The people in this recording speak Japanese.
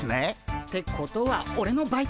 ってことはオレのバイト先も！